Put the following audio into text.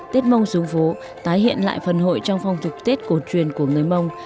tết mông xuống phố tái hiện lại phần hội trong phong tục tết cổ truyền của người mông